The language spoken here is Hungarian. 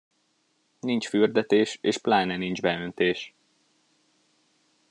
Nincs fürdetés, és pláne nincs beöntés.